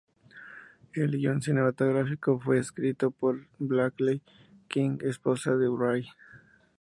El guion cinematográfico fue escrito por Bradley King, esposa de Wray.